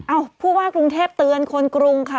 ผู้ว่ากรุงเทพเตือนคนกรุงค่ะ